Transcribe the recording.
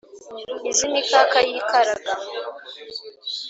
Iz'imikaka yikaraga